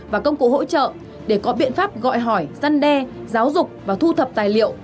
và công cụ hỗ trợ để có biện pháp gọi hỏi gian đe giáo dục và thu thập tài liệu